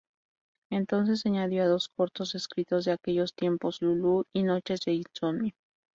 Entonces añadió dos cortos escritos de aquellos tiempos: Lulú y Noches de insomnio.